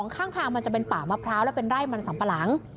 ข้างทางมันจะเป็นป่ามะพร้าวและเป็นไร่มันสัมปะหลัง